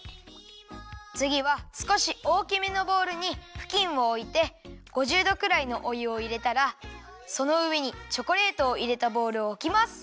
つぎはすこしおおきめのボウルにふきんをおいて５０どくらいのおゆをいれたらそのうえにチョコレートをいれたボウルをおきます。